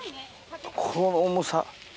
この重さ。